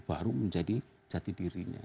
baru menjadi jati dirinya